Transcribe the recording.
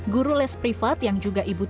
guru les privat yang juga ibu